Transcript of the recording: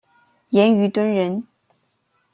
严虞敦人。